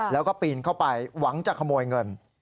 แล้วก็ปีนเข้าไปหวังจะขโมยเงิน